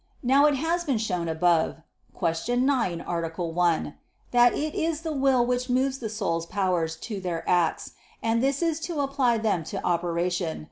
Now it has been shown above (Q. 9, A. 1) that it is the will which moves the soul's powers to their acts, and this is to apply them to operation.